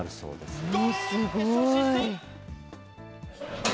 すごい。